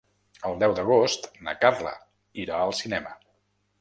El deu d'agost na Carla irà al cinema.